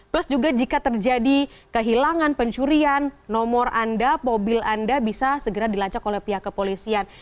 plus juga jika terjadi kehilangan pencurian nomor anda mobil anda bisa segera dilacak oleh pihak kepolisian